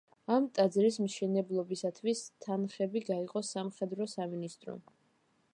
ამ ტაძრის მშენებლობისათვის თანხები გაიღო სამხედრო სამინისტრომ.